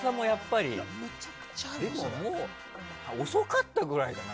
でも、遅かったぐらいだよ